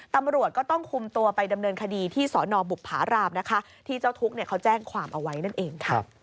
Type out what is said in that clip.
ตำรวจก็ต้องคุมตัวไปดำเนินคดีที่สนบุภารามนะคะที่เจ้าทุกข์เขาแจ้งความเอาไว้นั่นเองค่ะ